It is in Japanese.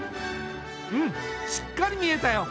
うんしっかり見えたよ。